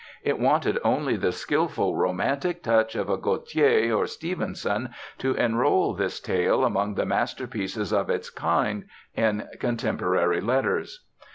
It wanted only the skilled romantic touch of a Gautier or Stevenson to enroll this tale among the masterpieces of its kind in contemporary letters.